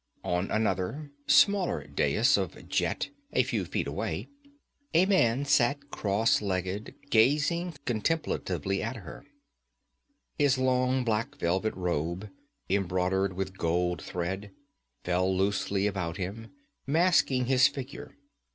On another, smaller dais of jet, a few feet away, a man sat cross legged, gazing contemplatively at her. His long black velvet robe, embroidered with gold thread, fell loosely about him, masking his figure.